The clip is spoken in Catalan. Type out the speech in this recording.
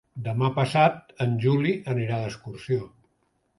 Demà passat en Juli anirà d'excursió.